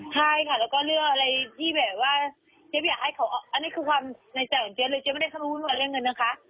ใช่ค่ะแล้วก็เรื่องอะไรที่แบบว่าเจ๊ไม่อยากให้เขาอันนี้คือความในใจของเจ๊เลยเจ๊ไม่ได้เข้ามาวุ่นกับเรื่องเงินนะคะ